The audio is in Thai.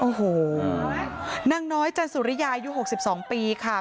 โอ้โหนางน้อยจันสุริยายุ๖๒ปีค่ะ